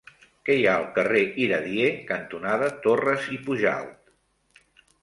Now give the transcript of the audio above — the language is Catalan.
Què hi ha al carrer Iradier cantonada Torras i Pujalt?